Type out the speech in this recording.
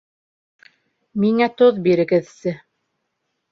Миңә тоҙ бирегеҙсе